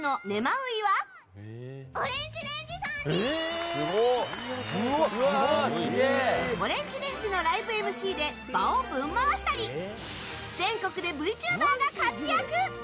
ＯＲＡＮＧＥＲＡＮＧＥのライブＭＣで場をぶん回したり全国でＶＴｕｂｅｒが活躍！